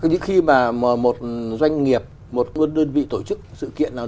nhưng khi mà một doanh nghiệp một đơn vị tổ chức sự kiện nào